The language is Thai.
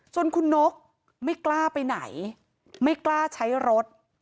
คุณนกไม่กล้าไปไหนไม่กล้าใช้รถ